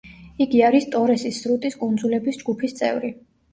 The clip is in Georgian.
იგი არის ტორესის სრუტის კუნძულების ჯგუფის წევრი.